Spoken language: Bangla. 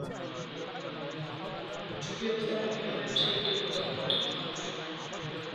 ঝুঁকি ব্যবস্থাপনা বীমা ব্যবসার একটি অন্যতম গুরুত্বপূর্ণ অংশ।